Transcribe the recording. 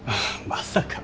まさか。